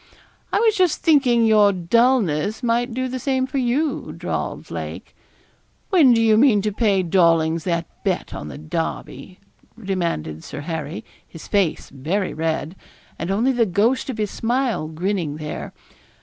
'I was just thinking your dulness might do the same for you,' drawled Lake. 'When do you mean to pay Dawlings that bet on the Derby?' demanded Sir Harry, his face very red, and only the ghost of his smile grinning there.